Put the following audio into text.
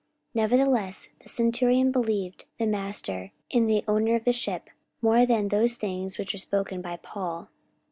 44:027:011 Nevertheless the centurion believed the master and the owner of the ship, more than those things which were spoken by Paul.